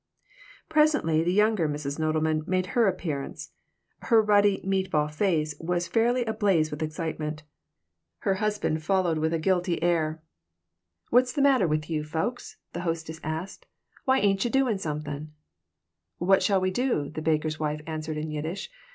Presently the younger Mrs. Nodelman made her appearance. Her ruddy "meat ball" face was fairly ablaze with excitement. Her husband followed with a guilty air "What's the matter with you folks?" the hostess said. "Why ainchye doin' somethin'?" "What shall we do?" the baker's wife answered in Yiddish.